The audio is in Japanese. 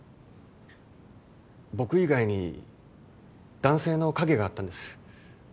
僕以外に男性の影があったんです。